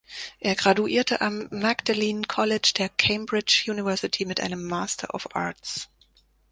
Er graduierte am Magdalene College der Cambridge University mit einem Master of Arts.